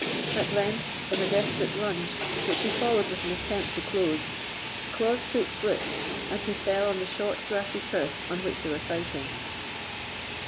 At length, in a desperate lunge, which he followed with an attempt to close, Bucklaw's foot slipped, and he fell on the short grassy turf on which they were fighting.